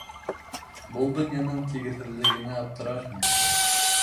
Был донъяның тигеҙһеҙлегенә аптырарһың.